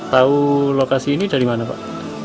tahu lokasi ini dari mana pak